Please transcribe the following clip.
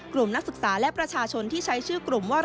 นักศึกษาและประชาชนที่ใช้ชื่อกลุ่มว่า